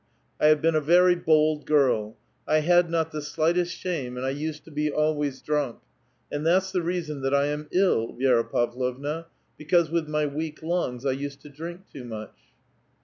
I have been a very bold girl ; I had not the slightest shame, and I used to be always drunk. And that's the reason that I am ill, Vi6ra Pavlovna, becnuse with my weak lungs I used to drink too much."